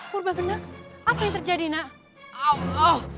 purba benang apa yang terjadi nak